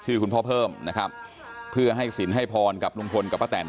คุณพ่อเพิ่มนะครับเพื่อให้สินให้พรกับลุงพลกับป้าแตน